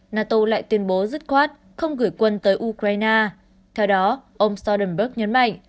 nato lại tuyên bố dứt khoát không gửi quân tới ukraine theo đó ông stolg nhấn mạnh